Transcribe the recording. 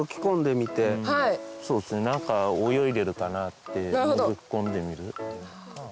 何か泳いでるかなってのぞき込んでみる。